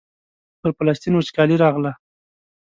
پر فلسطین وچکالي راغله.